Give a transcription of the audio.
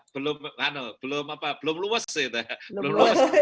wagu wagu itu ya belum luwes gitu ya